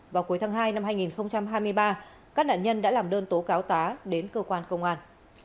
vào cuối tháng hai năm hai nghìn hai mươi ba các nạn nhân đã làm đơn tố cáo tá đến cơ quan công an